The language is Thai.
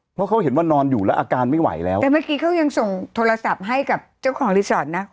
เพราะเขาเห็นว่านอนอยู่แล้วอาการไม่ไหวแล้วแต่เมื่อกี้เขายังส่งโทรศัพท์ให้กับเจ้าของรีสอร์ทนะ